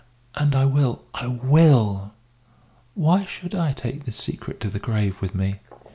And I will, I will! Why should I take this secret to the grave with me?